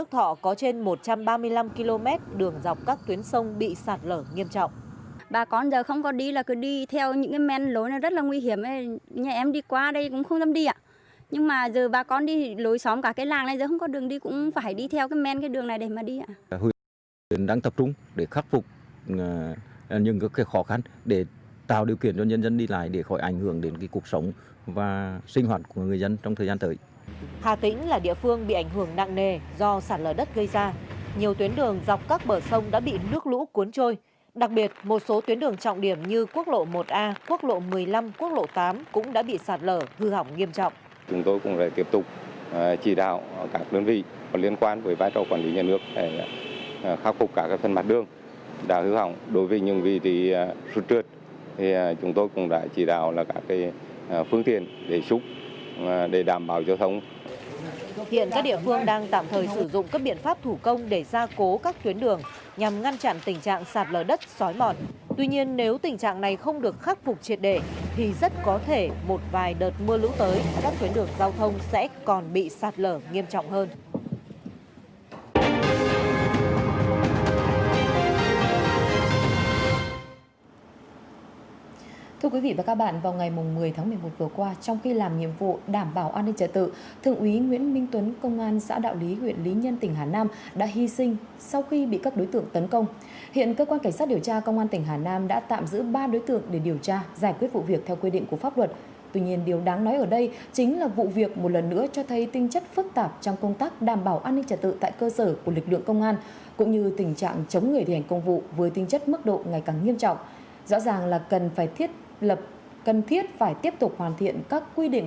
thượng úy nguyễn minh phương thượng úy nguyễn minh phương thượng úy nguyễn minh phương thượng úy nguyễn minh phương thượng úy nguyễn minh phương thượng úy nguyễn minh phương thượng úy nguyễn minh phương thượng úy nguyễn minh phương thượng úy nguyễn minh phương thượng úy nguyễn minh phương thượng úy nguyễn minh phương thượng úy nguyễn minh phương thượng úy nguyễn minh phương thượng úy nguyễn minh phương thượng úy nguyễn minh phương thượng úy nguyễn minh phương thượng úy nguyễn minh phương thượng úy nguyễn minh phương thượng úy n